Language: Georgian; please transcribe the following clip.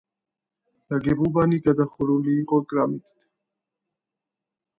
ნაგებობანი გადახურული იყო კრამიტით.